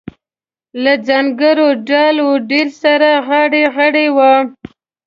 له ځانګړي ډال و ډیل سره غاړه غړۍ وه.